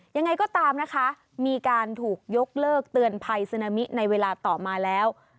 ยังไงก็ตามนะคะมีการถูกยกเลิกเตือนภัยซึนามิในเวลาต่อมาแล้ว